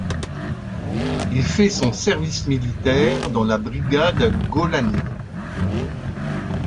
Il fait son service militaire dans la brigade Golani.